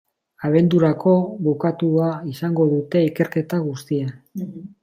Abendurako bukatua izango dute ikerketa guztia.